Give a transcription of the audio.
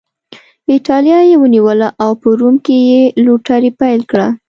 اېټالیا یې ونیوله او په روم کې یې لوټري پیل کړه.